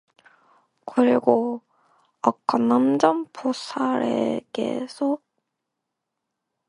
그리고 아까 난장보살에게서 빼앗아 둔 익모초 담배를 꺼내 붙여 물었다.